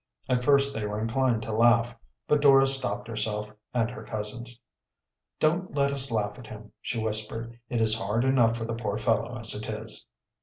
At first they were inclined to laugh, but Dora stopped herself and her cousins. "Don't let us laugh at him," she whispered. "It is hard enough for the poor fellow as it is."